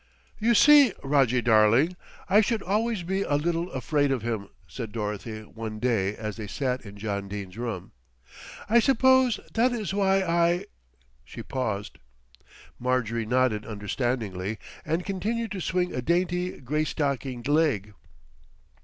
"You see, Rojjie darling, I should always be a little afraid of him," said Dorothy one day as they sat in John Dene's room. "I suppose that is why I " She paused. Marjorie nodded understandingly, and continued to swing a dainty, grey stockinged leg.